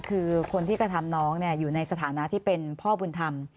คือคนที่กระทำน้องอยู่ในสถานะที่เป็นพ่อบุญธรรม